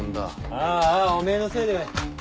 ああおめぇのせいで。